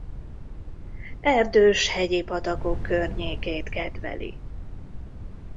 Erdős hegyi patakok környékét kedveli.